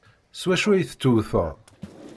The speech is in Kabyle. S wacu ay tettewteḍ?